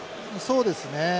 そうですね。